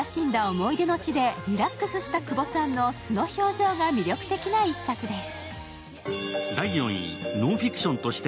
思い出の地でリラックスした久保さんの素の表情が魅力的な一冊です。